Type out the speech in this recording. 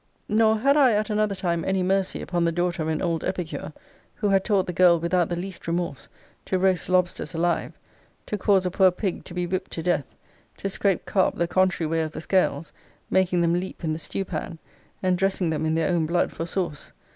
Nor had I at another time any mercy upon the daughter of an old epicure, who had taught the girl, without the least remorse, to roast lobsters alive; to cause a poor pig to be whipt to death; to scrape carp the contrary way of the scales, making them leap in the stew pan, and dressing them in their own blood for sauce.